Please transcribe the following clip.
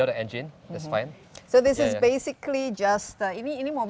empat hari untuk perjalanan ya